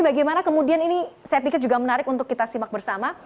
bagaimana kemudian ini saya pikir juga menarik untuk kita simak bersama